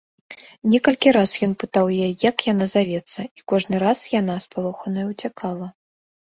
Некалькі раз ён пытаў яе, як яна завецца, і кожны раз яна, спалоханая, уцякала.